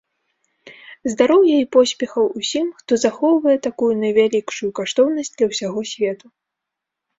Здароўя і поспехаў усім, хто захоўвае такую найвялікшую каштоўнасць для ўсяго свету.